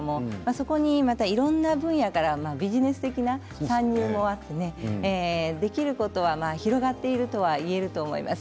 そこにまた、いろいろな分野からビジネス的な参入もあってできることは広がっているとは言えると思います。